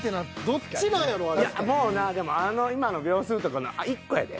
もうなでもあの今の秒数とこの１個やで。